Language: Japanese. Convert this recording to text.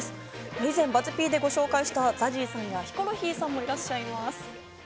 以前、ＢＵＺＺ−Ｐでご紹介したＺＡＺＹさんもヒコロヒーさんもいらっしゃいます。